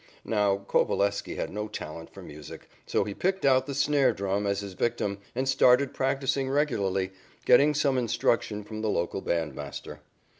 "Now Coveleski had no talent for music, so he picked out the snare drum as his victim and started practising regularly, getting some instruction from the local bandmaster.